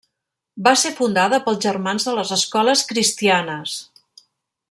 Va ser fundada pels Germans de les Escoles Cristianes.